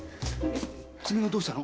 爪がどうしたの？